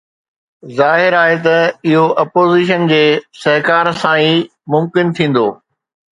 ظاهر آهي ته اهو اپوزيشن جي سهڪار سان ئي ممڪن ٿيندو.